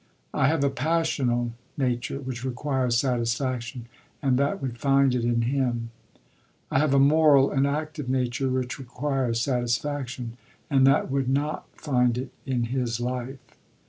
I have a passional nature which requires satisfaction, and that would find it in him. I have a moral, an active nature which requires satisfaction, and that would not find it in his life.